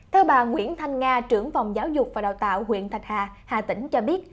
theo bà nguyễn thanh nga trưởng phòng giáo dục và đào tạo huyện thạch hà hà tĩnh cho biết